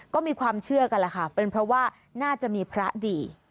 ก็มีความเชื่อกันแหละค่ะเป็นเพราะว่าน่าจะมีพระดี